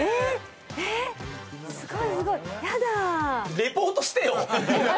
リポートしてよ。